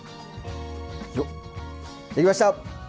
よっできました！